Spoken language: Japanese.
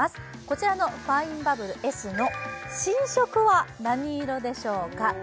こちらのファインバブルＳの新色は何色でしょうか？